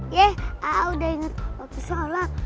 ye aku sudah ingat waktu sholat